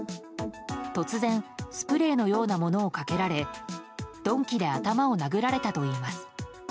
突然、スプレーのようなものをかけられ鈍器で頭を殴られたといいます。